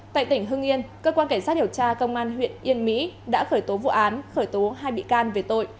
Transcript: tại tỉnh hưng yên cơ quan cảnh sát điều tra công an huyện yên mỹ đã khởi tố vụ án khởi tố hai bị can về tội